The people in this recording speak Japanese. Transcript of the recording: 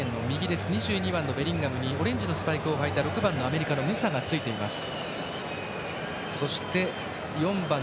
２２番、ベリンガムにオレンジのスパイクを履いた６番、アメリカのムサがつきます。